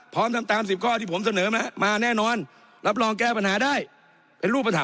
ทำตาม๑๐ข้อที่ผมเสนอมามาแน่นอนรับรองแก้ปัญหาได้เป็นรูปธรรม